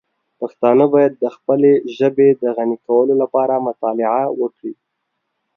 پښتانه باید د خپلې ژبې د غني کولو لپاره مطالعه وکړي.